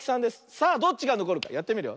さあどっちがのこるかやってみるよ。